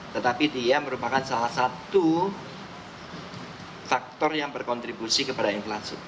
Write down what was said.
tetapi dia merupakan salah satu faktor yang berkontribusi kepada inflasi